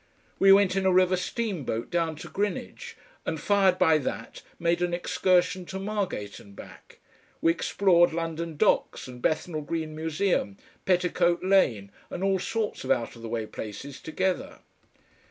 We went in a river steamboat down to Greenwich, and fired by that made an excursion to Margate and back; we explored London docks and Bethnal Green Museum, Petticoat Lane and all sorts of out of the way places together.